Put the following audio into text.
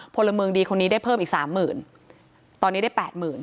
พลเมืองดีคนนี้ได้เพิ่มอีกสามหมื่นตอนนี้ได้แปดหมื่น